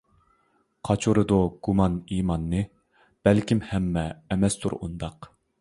قاچۇرىدۇ گۇمان ئىماننى، بەلكىم ھەممە ئەمەستۇر ئۇنداق.